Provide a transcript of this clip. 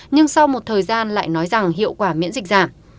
nhưng sau một thời gian lại nói rằng hiệu quả miễn dịch giảm